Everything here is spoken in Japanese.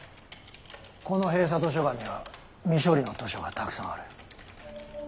この閉鎖図書館には未処理の図書がたくさんある。